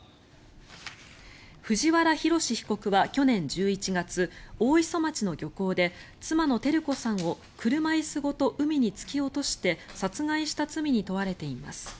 藤原宏被告は去年１１月大磯町の漁港で妻の照子さんを車椅子ごと海に突き落として殺害した罪に問われています。